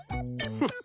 フッ。